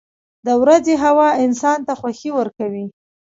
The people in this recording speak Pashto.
• د ورځې هوا انسان ته خوښي ورکوي.